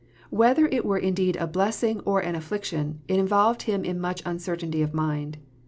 Whether it were indeed a blessing or an affliction, it involved him in much uncertainty of mind.